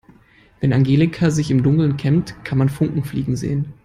Wenn Angelika sich im Dunkeln kämmt, kann man Funken fliegen sehen.